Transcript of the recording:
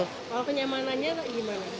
kalau kenyamanannya gimana